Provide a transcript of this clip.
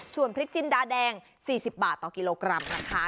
ส่วนพริกจินดาแดง๔๐บาทต่อกิโลกรัมนะคะ